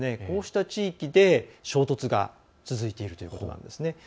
こうした地域で、衝突が続いているということなんですね。